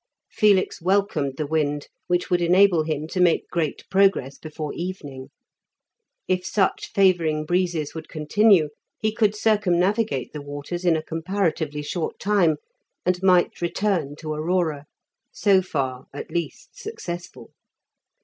Felix welcomed the wind, which would enable him to make great progress before evening. If such favouring breezes would continue, he could circumnavigate the waters in a comparatively short time, and might return to Aurora, so far, at least, successful.